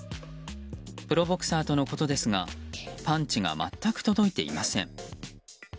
プロボクサーとのことですがパンチが全く届いていません。